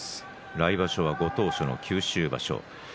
来場所はご当所の九州場所です。